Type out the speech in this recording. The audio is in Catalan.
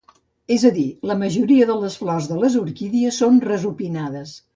És a dir, la majoria de les flors de les orquídies són resupinades.